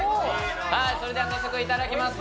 それでは早速いただきます